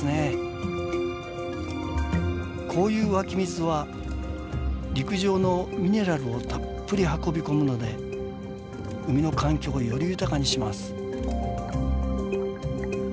こういう湧き水は陸上のミネラルをたっぷり運び込むので海の環境をより豊かにします。